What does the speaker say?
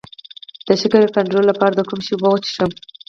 د شکر کنټرول لپاره د کوم شي اوبه وڅښم؟